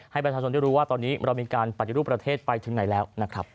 ให้ประชาชนได้รู้ว่าตอนนี้เรามีการปฏิรูปประเทศไปถึงไหนแล้วนะครับ